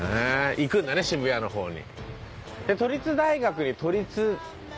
行くんだね渋谷の方に。